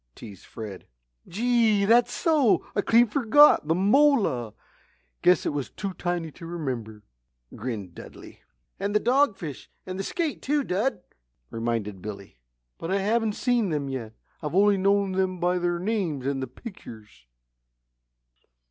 teased Fred. "Gee, that's so! I clean forgot the mola; guess it was too tiny to remember," grinned Dudley. "And the dogfish, and the skate, too, Dud," reminded Billy. "But I haven't seen them yet I've only known them by their names and the pictures."